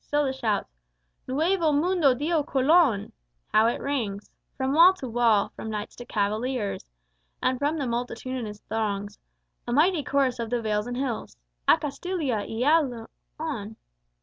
Still the shout: "Nuevo mundo dio Colon!" how it rings! From wall to wall, from knights and cavaliers, And from the multitudinous throngs, A mighty chorus of the vales and hills! "_Á Castilla y á Leon!